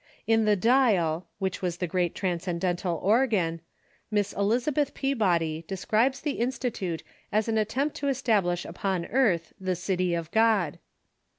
In the Dial, wliich was the great Transcendental organ, Miss Elizabeth Peabody describes the institute as an attempt to establisli upon earth the City of God.